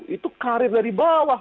itu karir dari bawah